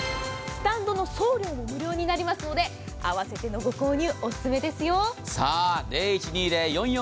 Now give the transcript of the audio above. スタンドの送料も無料になりますので併せてのご購入、お勧めですよ。